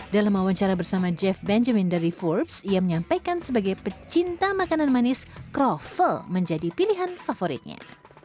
dalam wawancara bersama jeff benjamin dari forbes ia menyampaikan sebagai pecinta makanan manis kroffel menjadi pilihan favoritnya